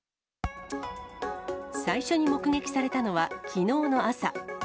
最初に目撃されたのはきのうの朝。